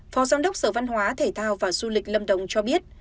phó giám đốc sở văn hóa thể thao và du lịch lâm đồng cho biết